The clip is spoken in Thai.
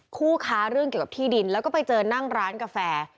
คู่ค้าเรื่องเกี่ยวกับที่ดินแล้วก็ไปเจอนั่งร้านกาแฟ